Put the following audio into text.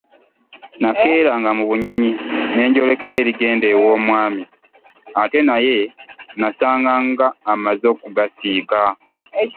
Nakeeranga mu bunyonyi ne njolekera erigenda ew'omwami ate naye nasanganga amaze okugasiika.